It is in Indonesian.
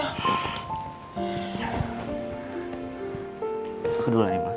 aku dulu lagi mbak